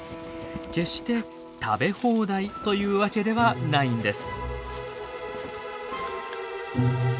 決して食べ放題というわけではないんです。